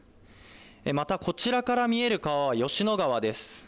またこちらから見える川は吉野川です。